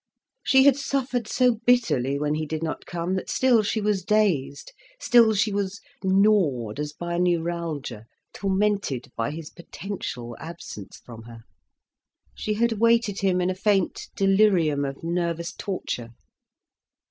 She had suffered so bitterly when he did not come, that still she was dazed. Still she was gnawed as by a neuralgia, tormented by his potential absence from her. She had awaited him in a faint delirium of nervous torture.